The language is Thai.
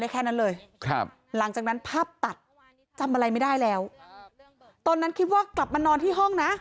คิดว่ากลับมานอนที่ห้องนะ